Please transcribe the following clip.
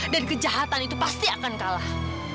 kejahatan itu pasti akan kalah